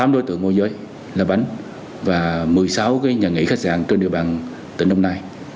tám đối tượng môi giới là bánh và một mươi sáu nhà nghỉ khách sạn trên địa bàn tỉnh đồng nai